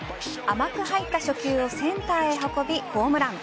甘く入った初球をセンターへ運びホームラン。